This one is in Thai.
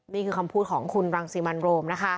นี่คือคำพูดของคุณรังสิมันโรมนะคะ